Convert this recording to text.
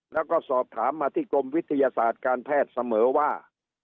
แล้วก็สอบถามมาที่กรมวิทยาศาสตร์การแพทย์เสมอว่า